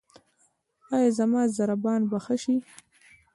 ایا زما ضربان به ښه شي؟